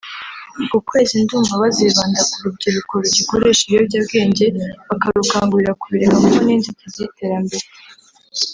uku kwezi ndumva bazibanda ku rubyiruko rugikoresha ibiyobyabwenge bakarukangurira ku bireka kuko ni inzitizi y’iterambere